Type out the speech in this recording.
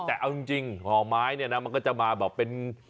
แต่เอาจริงห่อไม้เนี่ยนะมันก็จะมาแบบเป็น